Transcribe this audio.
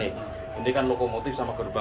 ini kan lokomotif sama gerbang